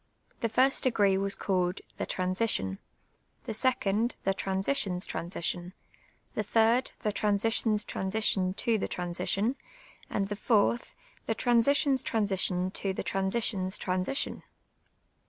Tiie first de^ ee was called the " Transition," the second the " Transition's transition,'' tlie third the " Transition's transition to the transition, ' and the fourth the '* Transition's transition to the transition's triuisition."